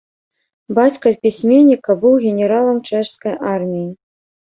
Бацька пісьменніка быў генералам чэшскай арміі.